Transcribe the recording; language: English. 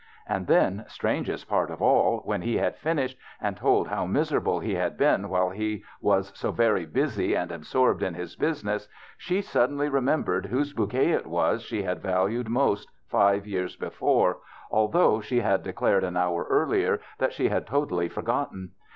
And then, strangest part of all, when he had fin ished and told how miserable he had been while he was so very busy and absorbed in his business, she suddenly remembered whose bouquet it was she had valued most five years before, although she had declared 52 THE BACHELOR'S CHRISTMAS an hour earlier that she had totally forgotten.